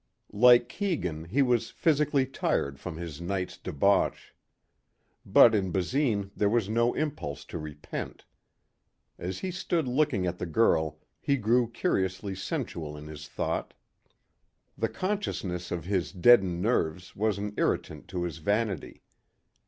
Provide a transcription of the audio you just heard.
Like Keegan, he was physically tired from his night's debauch. But in Basine there was no impulse to repent. As he stood looking at the girl he grew curiously sensual in his thought. The consciousness of his deadened nerves was an irritant to his vanity.